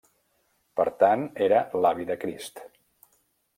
Per tant era l'avi de Crist.